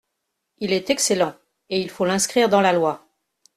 Il est excellent, et il faut l’inscrire dans la loi.